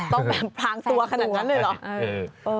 ต้องแบบพรางตัวขนาดนั้นหรือหรอเออใช่